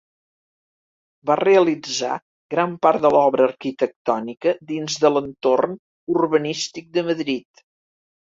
Va realitzar gran part de l'obra arquitectònica dins de l'entorn urbanístic de Madrid.